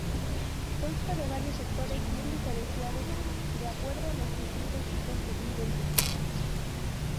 Consta de varios sectores bien diferenciados, de acuerdo a los distintos tipos de cliente.